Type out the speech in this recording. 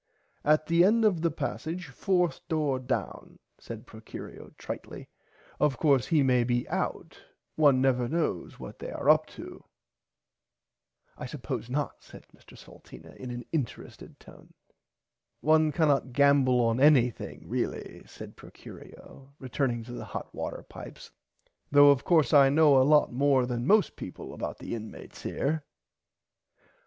At the end of the passage fourth door down said Procurio tritely of course he may be out one never knows what they are up to. I suppose not said Mr Salteena in an interested tone. One can not gamble on anything really said Procurio returning to the hot water pipes though of course I know a lot more than most peaple about the inmates here.